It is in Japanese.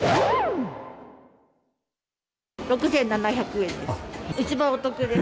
６７００円です。